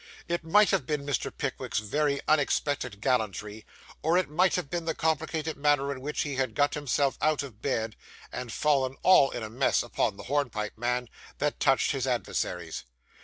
It might have been Mr. Pickwick's very unexpected gallantry, or it might have been the complicated manner in which he had got himself out of bed, and fallen all in a mass upon the hornpipe man, that touched his adversaries.